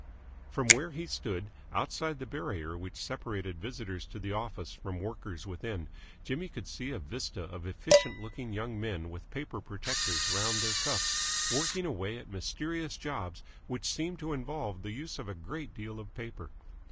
From where he stood, outside the barrier which separated visitors to the office from the workers within, Jimmy could see a vista of efficient looking young men with paper protectors round their cuffs working away at mysterious jobs which seemed to involve the use of a great deal of paper.